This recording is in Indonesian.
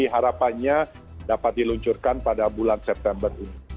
harapannya dapat diluncurkan pada bulan september ini